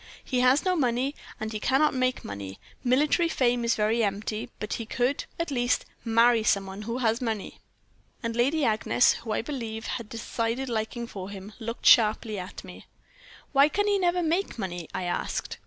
"'He has no money, and he cannot make money. Military fame is very empty; but he could, at least, marry some one who has money.' "And Lady Agnes, who, I believe, had a decided liking for him, looked sharply at me. "'Why can he never make money?' I asked.